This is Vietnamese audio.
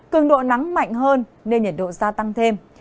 cường độ nắng mạnh hơn nên nhiệt độ gia tăng thêm